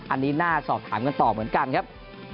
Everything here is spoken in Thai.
อันนี้น่าสอบถามกันต่อเหมือนกันครับ